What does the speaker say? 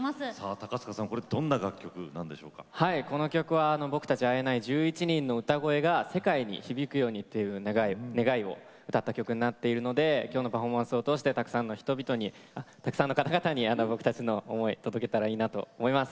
この曲は僕たちＩＮＩ１１人の歌声が世界に響くようにという願いを歌った曲になっているので今日のパフォーマンスを通してたくさんの人々にたくさんの方々に僕たちの思い届いたらいいなと思います。